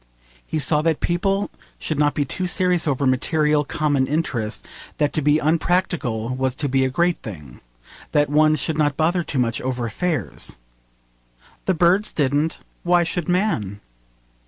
He saw that people should not be too serious over material, common interests: that to be unpractical was to be a great thing: that one should not bother too much over affairs. The birds didn't, why should man?